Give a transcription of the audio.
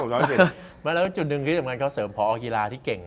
แล้วจุดหนึ่งคิดว่าการเขาเสริมพอออกฮีลาที่เก่ง